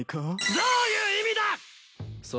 どういう意味だっ！？